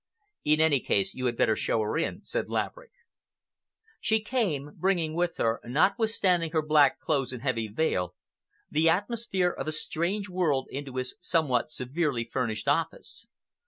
"In any case, you had better show her in," said Laverick. She came, bringing with her, notwithstanding her black clothes and heavy veil, the atmosphere of a strange world into his somewhat severely furnished office.